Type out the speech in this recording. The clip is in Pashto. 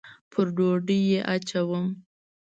پر ډوډۍ یې اچوم